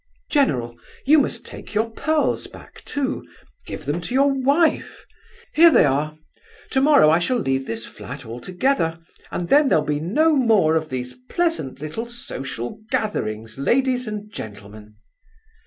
"General, you must take your pearls back, too—give them to your wife—here they are! Tomorrow I shall leave this flat altogether, and then there'll be no more of these pleasant little social gatherings, ladies and gentlemen."